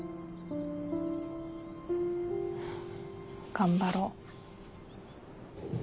頑張ろう。